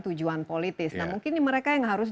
tujuan politis nah mungkin mereka yang harus